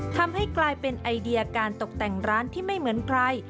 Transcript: ทำให้กลายเป็นไอเดียการตกแต่งร้านที่ไม่เหมือนใคร